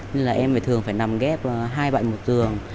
nên là em phải thường phải nằm ghép hai bạn một giường